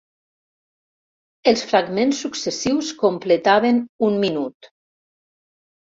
Els fragments successius completaven un minut.